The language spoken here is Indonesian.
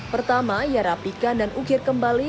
pertama ia rapikan dan ukir kembali